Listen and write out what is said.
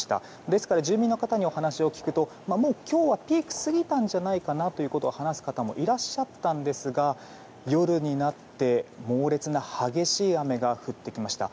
ですから住民の方にお話を聞くと今日はピーク過ぎたんじゃないかなと話す方もいらっしゃったんですが夜になって、猛烈な激しい雨が降ってきました。